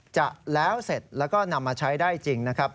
จะแล้วเสร็จแล้วก็นำมาใช้ได้จริงนะครับ